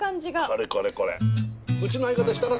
これこれこれ。